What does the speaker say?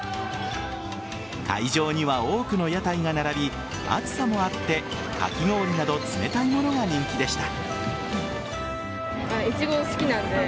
会場には多くの屋台が並び暑さもあって、かき氷など冷たいものが人気でした。